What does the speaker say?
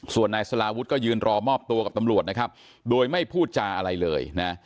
ส่วนนายสลาวุฒิก็ยืนรอมอบตัวกับตำรวจนะครับโดยไม่พูดจาอะไรเลยนะ